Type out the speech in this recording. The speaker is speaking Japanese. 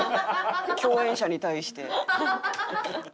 共演者に対して。